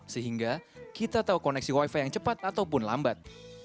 sehingga kita tahu koneksi wifi yang cepat ataupun lambat